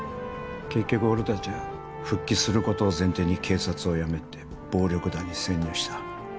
結局俺たちは復帰する事を前提に警察を辞めて暴力団に潜入した。